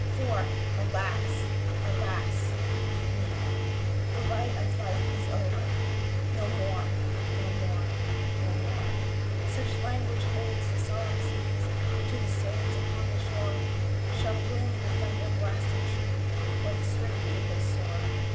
For, alas! alas! with me The light of Life is o'er! "No more no more no more " (Such language holds the solemn sea To the sands upon the shore) Shall bloom the thunder blasted tree Or the stricken eagle soar!